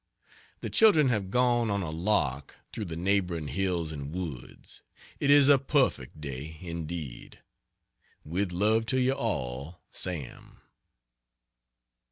The children have gone on a lark through the neighboring hills and woods. It is a perfect day indeed. With love to you all. SAM.